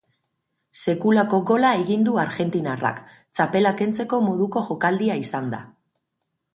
Sekulako gola egin du argentinarrak, txapela kentzeko moduko jokaldia izan da.